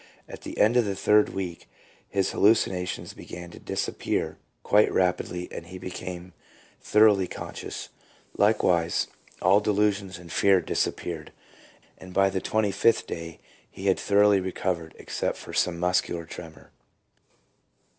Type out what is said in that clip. At the end of the third week his hallucinations began to disappear quite rapidly, and he became thoroughly conscious. Likewise all delusions and fear disappeared, and by the twenty fifth day he had thoroughly recovered, except for some muscular tremor.